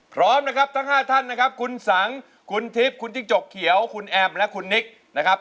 พร้อมนะครับทั้ง๕ท่านนะครับคุณสังคุณทิพย์คุณจิ้งจกเขียวคุณแอมและคุณนิกนะครับ